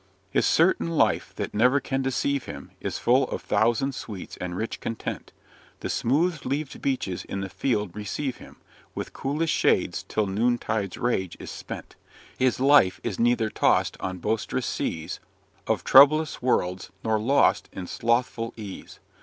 "'His certain life, that never can deceive him, Is full of thousand sweets and rich content; The smooth leaved beeches in the field receive him With coolest shades till noon tide's rage is spent; His life is neither tost on boisterous seas Of troublous worlds, nor lost in slothful ease.